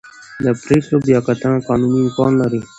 د پرېکړې بیاکتنه قانوني امکان لري.